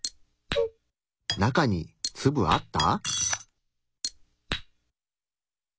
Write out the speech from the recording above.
中にツブあった？